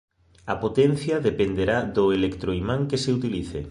A potencia dependerá do electroimán que se utilice.